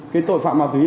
cái tội phạm ma túy